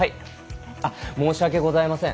申し訳ございません。